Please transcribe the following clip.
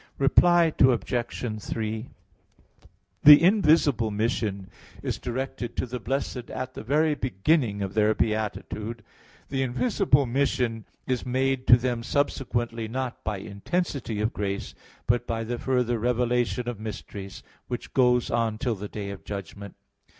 Reply Obj. 3: The invisible mission is directed to the blessed at the very beginning of their beatitude. The invisible mission is made to them subsequently, not by "intensity" of grace, but by the further revelation of mysteries; which goes on till the day of judgment.